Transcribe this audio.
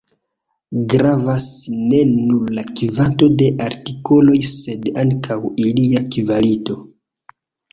Gravas ne nur la kvanto de artikoloj, sed ankaŭ ilia kvalito.